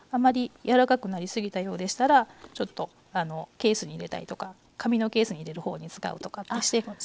柔らかくなり過ぎたようでしたらちょっとケースに入れたりとか紙のケースに入れる方に使うとかってしてもらえばいいと思います。